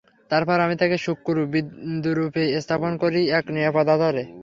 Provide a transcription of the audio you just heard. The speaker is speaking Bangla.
তারপর আমি তাকে শুক্র বিন্দুরূপে স্থাপন করি এক নিরাপদ আধারে।